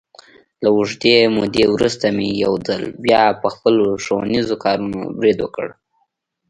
له اوږدې مودې ورسته مې یو ځل بیا، په خپلو ښوونیزو کارونو برید وکړ.